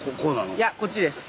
いやこっちです。